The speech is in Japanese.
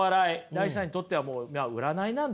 ダイさんにとってはもう占いなんだと。